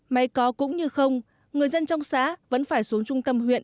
máy có cũng như không người dân trong xã vẫn phải xuống trung tâm huyện